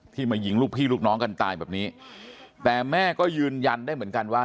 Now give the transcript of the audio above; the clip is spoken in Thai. มายิงลูกพี่ลูกน้องกันตายแบบนี้แต่แม่ก็ยืนยันได้เหมือนกันว่า